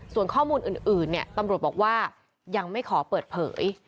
ส่วนข้อมูลอื่นตำรวจบอกว่ายังไม่ขอเปิดเผย